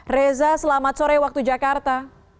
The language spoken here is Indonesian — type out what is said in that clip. reza selamat sore waktu jakarta